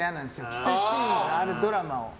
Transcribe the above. キスシーンがあるドラマを。